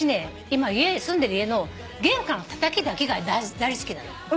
今住んでる家の玄関のたたきだけが大理石なの。